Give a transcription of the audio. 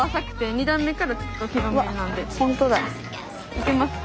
いけますか？